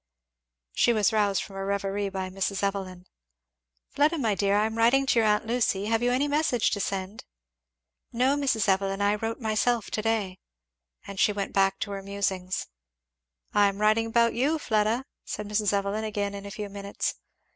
She was roused from her reverie by Mrs. Evelyn. "Fleda my dear, I am writing to your aunt Lucy have you any message to send?" "No Mrs. Evelyn I wrote myself to day." And she went back to her musings. "I am writing about you, Fleda," said Mrs. Evelyn, again in a few minutes.